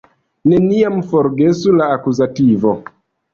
Neniam forgesu la akuzativo!